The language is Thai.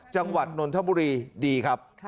จังหวัดนนทบุรีดีครับ